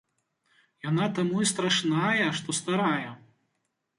Яна таму і страшная, што старая.